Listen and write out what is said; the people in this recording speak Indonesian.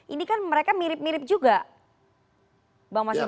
ini kan mereka mirip mirip juga bang mas hinton